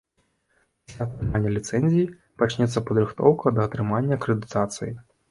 Пасля атрымання ліцэнзіі пачнецца падрыхтоўка да атрымання акрэдытацыі.